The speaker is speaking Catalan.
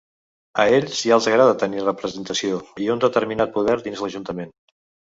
A ells ja els agrada tenir representació i un determinat poder dins l’ajuntament.